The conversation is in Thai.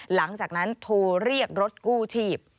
หลังจากนั้นโทรเรียกรถกู้ชีพ